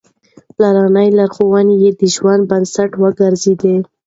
پلارنۍ لارښوونې يې د ژوند بنسټ وګرځېدې.